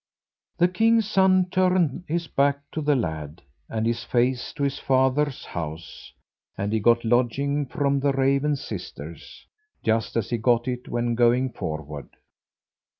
The king's son turned his back to the lad, and his face to his father's house; and he got lodging from the raven's sisters, just as he got it when going forward.